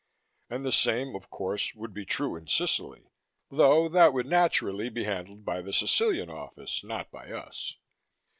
And the same, of course, would be true in Sicily. Though that would naturally be handled by the Sicilian office, not by us.